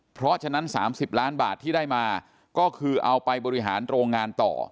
เพราะฉะนั้น๓๐ล้านบาทที่ได้มาก็คือเอาไปบริหารโรงงานต่อ